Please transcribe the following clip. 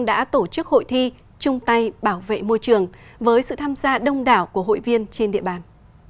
đã tổ chức hội thi chung tay bảo vệ môi trường với sự tham gia đông đảo của hội viên trên địa bàn